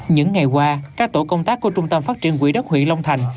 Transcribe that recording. những ngày qua các tổ công tác của trung tâm phát triển quỹ đất huyện long thành